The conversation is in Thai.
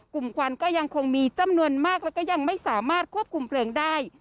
ควันก็ยังคงมีจำนวนมากแล้วก็ยังไม่สามารถควบคุมเพลิงได้